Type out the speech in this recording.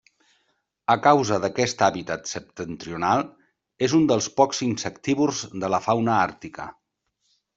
A causa d'aquest hàbitat septentrional, és un dels pocs insectívors de la fauna àrtica.